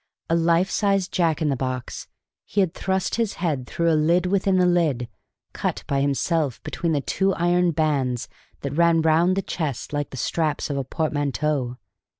A life size Jack in the box, he had thrust his head through a lid within the lid, cut by himself between the two iron bands that ran round the chest like the straps of a portmanteau.